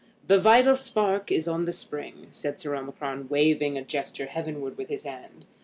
"The vital spark is on the spring," said Sir Omicron, waving a gesture heavenward with his hand.